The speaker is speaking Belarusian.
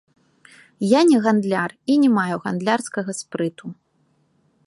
Я не гандляр і не маю гандлярскага спрыту.